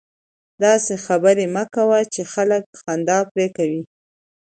داسي خبري مه کوئ! چي خلک خندا پر کوي.